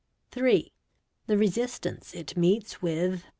3. The resistance 1t meets with.